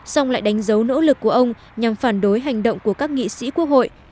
xong lại đánh dấu nỗ lực của ông nhằm phản đối hành động của các nghị sĩ quốc hội